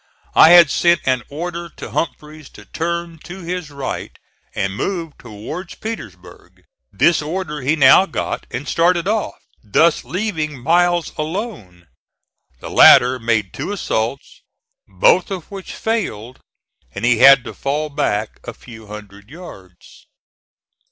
I had sent an order to Humphreys to turn to his right and move towards Petersburg. This order he now got, and started off, thus leaving Miles alone. The latter made two assaults, both of which failed, and he had to fall back a few hundred yards.